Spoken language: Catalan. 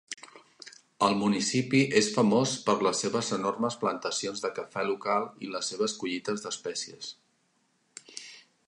El municipi és famós per les seves enormes plantacions de cafè local i les seves collites d'espècies.